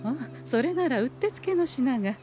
それならうってつけの品が。